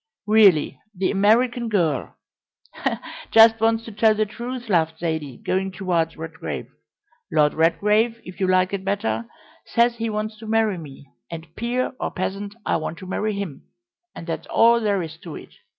"Really, the American girl " "Just wants to tell the truth," laughed Zaidie, going towards Redgrave. "Lord Redgrave, if you like it better, says he wants to marry me, and, peer or peasant, I want to marry him, and that's all there is to it.